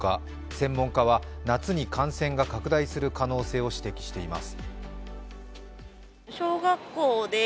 専門家は夏に感染が拡大する可能性を指摘しています。